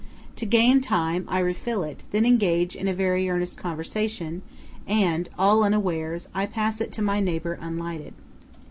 To gain time, I refill it, then engage in very earnest conversation, and, all unawares, I pass it to my neighbor unlighted.